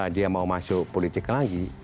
dia mau masuk politik lagi